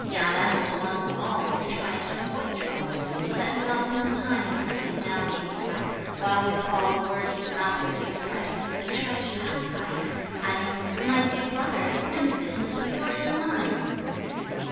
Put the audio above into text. Chia Lan was one who always tried to avoid trouble, so that he lost no time in pressing down the inkslab, while with all the words his mouth could express, he tried to pacify him, adding "My dear brother, it's no business of yours and mine."